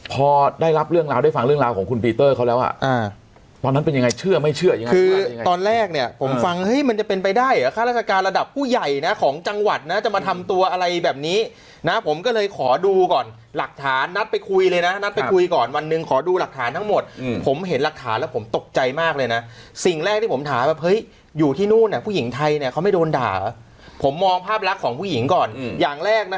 พอได้ฟังเรื่องราวของคุณพีเตอร์เขาแล้วอ่ะตอนนั้นเป็นยังไงเชื่อไม่เชื่อคือตอนแรกเนี่ยผมฟังเฮ้ยมันจะเป็นไปได้อ่ะฆ่าราชการระดับผู้ใหญ่นะของจังหวัดนะจะมาทำตัวอะไรแบบนี้นะผมก็เลยขอดูก่อนหลักฐานนัดไปคุยเลยนะนัดไปคุยก่อนวันหนึ่งขอดูหลักฐานทั้งหมดผมเห็นหลักฐานแล้วผมตกใจมากเลยนะสิ่งแร